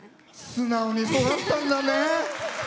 素直に育ったんだね。